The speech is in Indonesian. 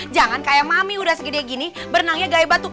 jangan kayak mami udah segede gini berenangnya gaibat tuh